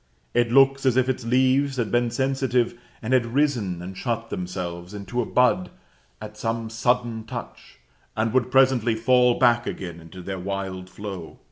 It looks as if its leaves had been sensitive, and had risen and shut themselves into a bud at some sudden touch, and would presently fall back again into their wild flow.